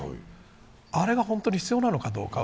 あれは本当に必要なのかどうか。